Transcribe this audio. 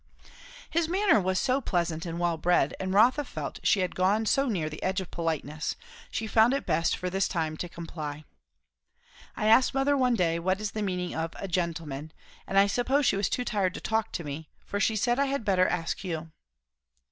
His manner was so pleasant and well bred, and Rotha felt that she had gone so near the edge of politeness, she found it best for this time to comply. "I asked mother one day what is the meaning of a 'gentleman'; and I suppose she was too tired to talk to me, for she said I had better ask you."